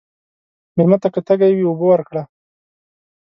مېلمه ته که تږی وي، اوبه ورکړه.